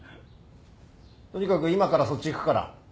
とにかく今からそっち行くから。